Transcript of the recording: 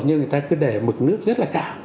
nhưng người ta cứ để mực nước rất là cao